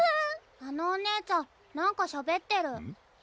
あのお姉ちゃん何かしゃべってるうん？